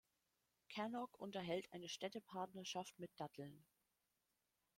Cannock unterhält eine Städtepartnerschaft mit Datteln.